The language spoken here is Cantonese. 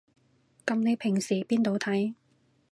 噉你平時邊度睇